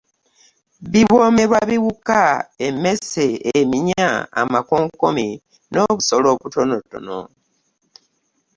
Biwoomerwa biwuka, emmese, eminya, amakonkome n’obusolo obutonotono.